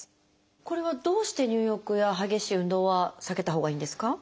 これはどうして入浴や激しい運動は避けたほうがいいんですか？